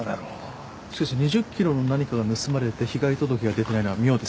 しかし２０ｋｇの何かが盗まれて被害届が出てないのは妙ですよ。